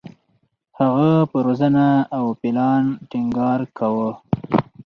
هغه پر روزنه او پلان ټینګار کاوه.